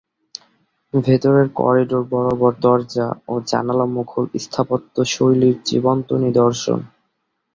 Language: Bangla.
ভেতরের করিডোর বরাবর দরজা ও জানালা মোঘল স্থাপত্য শৈলীর জীবন্ত নিদর্শন।